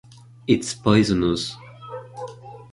It’s poisonous.